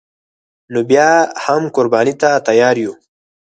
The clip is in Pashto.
نو بیا هم قربانی ته تیار یو